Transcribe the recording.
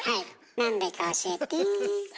なんでか教えて。